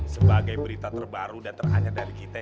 sebagai berita terbaru dan teranyar dari kita